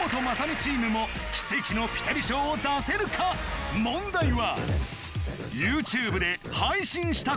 チームも奇跡のピタリ賞を出せるか⁉問題は？